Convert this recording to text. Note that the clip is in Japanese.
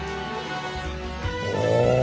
お！